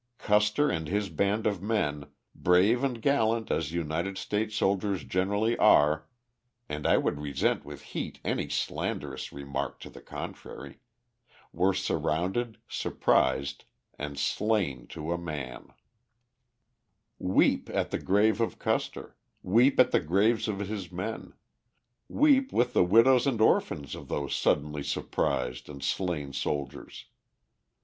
Custer and his band of men, brave and gallant as United States soldiers generally are, and I would resent with heat any slanderous remark to the contrary, were surrounded, surprised, and slain to a man. [Illustration: INDIAN BEADWORK OF INTERESTING DESIGN.] Weep at the grave of Custer; weep at the graves of his men; weep with the widows and orphans of those suddenly surprised and slain soldiers.